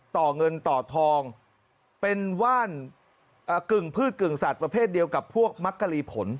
ต่อเงินต่อทองเป็นว่านกึ่งพืชกึ่งสัตว์ประเภทเดียวกับพวกมักกะลีผล